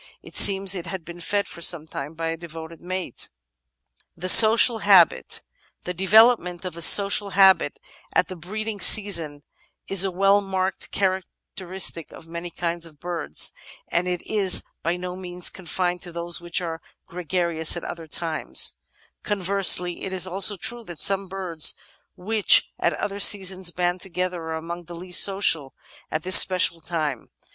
It seems it had been fed for some time by a devoted mate. The Social Habit The development of a social habit at the breeding season is a well marked characteristic of many kinds of birds, and it is by 412 The Outline of Science no means confined to those which are gregarious at other times; conversely, it is also true that some birds which at other seasons band together are among the least social at this special time.